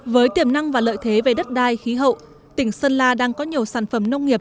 với tiềm năng và lợi thế về đất đai khí hậu tỉnh sơn la đang có nhiều sản phẩm nông nghiệp